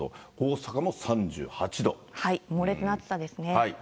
猛烈な暑さですね。